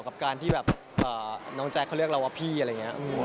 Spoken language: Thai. กับการที่แบบน้องแจ๊คเขาเรียกเราว่าพี่อะไรอย่างนี้